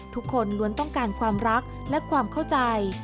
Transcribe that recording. ทุกคนล้วนต้องการความรักและความเข้าใจ